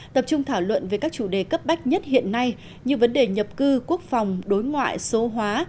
tập trung thảo luận về các chủ đề cấp bách nhất hiện nay như vấn đề nhập cư quốc phòng đối ngoại số hóa